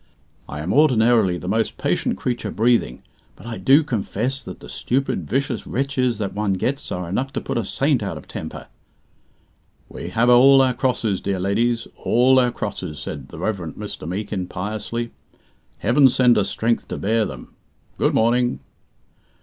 "I am ordinarily the most patient creature breathing, but I do confess that the stupid vicious wretches that one gets are enough to put a saint out of temper." "We have all our crosses, dear leddies all our crosses," said the Rev. Mr. Meekin piously. "Heaven send us strength to bear them! Good morning."